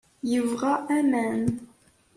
Yebɣa aman.